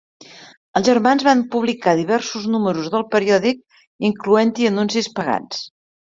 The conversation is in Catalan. Els germans van publicar diversos números del periòdic, incloent-hi anuncis pagats.